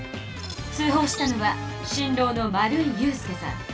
通ほうしたのは新郎の丸井優介さん。